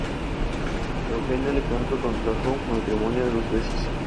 Eugenio Alejandro contrajo matrimonio dos veces.